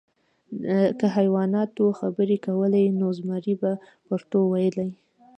که حیواناتو خبرې کولی، نو زمری به پښتو ویله .